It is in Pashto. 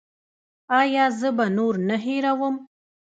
ایا زه به نور نه هیروم؟